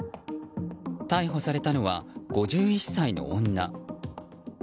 逮捕されたのは５１歳の女。